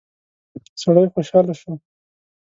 سړی خوشاله شو.